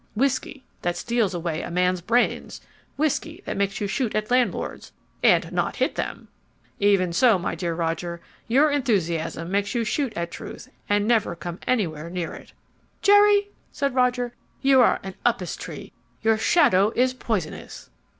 Whisky, that steals away a man's brains. Whisky, that makes you shoot at landlords and not hit them!' Even so, my dear Roger, your enthusiasm makes you shoot at truth and never come anywhere near it." "Jerry," said Roger, "you are a upas tree. Your shadow is poisonous!"